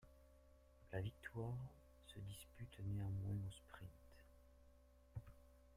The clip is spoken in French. La victoire se dispute néanmoins au sprint.